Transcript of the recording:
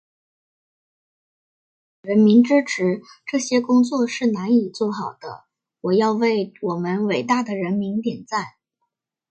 当然，没有人民支持，这些工作是难以做好的，我要为我们伟大的人民点赞。